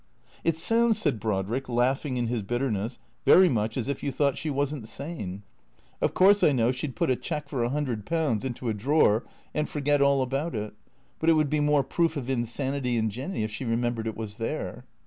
" It sounds," said Brodrick, laughing in his bitterness, " very much as if you thought she was n't sane. Of course I know 400 T H E C R E A T 0 R S she 'd put a cheque for a hundred pounds into a drawer and for get all about it. But it would be more proof of insanity in Jinny if she remembered it was there."